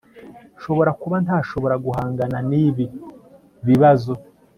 nshobora kuba ntashobora guhangana nibi bibazo